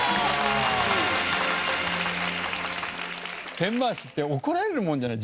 ペン回しって怒られるものじゃない。